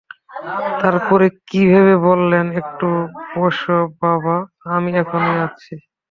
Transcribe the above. তারপরে কী ভেবে বললেন, একটু বোসো বাবা, আমি এখনই আসছি।